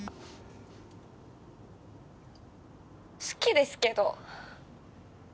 好きですけど。